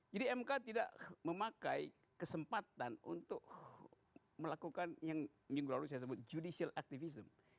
jadi mk tidak memakai kesempatan untuk melakukan yang minggu lalu saya sebut judicial activism